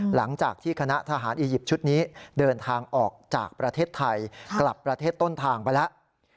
หลังจากที่คณะทหารอียิปต์ชุดนี้เดินทางออกจากประเทศไทยกลับประเทศต้นทางไปแล้ว